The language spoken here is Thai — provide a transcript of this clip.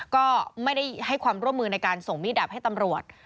ก็ไม่ได้ให้ความร่วมมือในการส่งมีดดับให้ตำรวจ